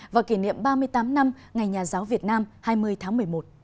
và kỷ niệm ba mươi tám năm ngày nhà giáo việt nam hai mươi tháng một mươi một